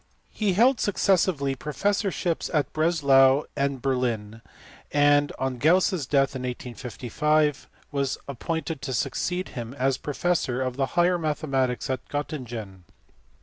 He held successively professorships at Breslau and Berlin, and on Gauss s death in 1855 was appointed to succeed him as professor of the higher mathematics at Gottin gen.